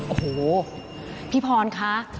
โอ้โหพี่พรคะ